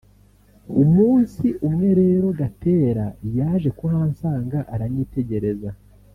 Umunsi umwe rero Gatera yaje kuhansanga aranyitegereza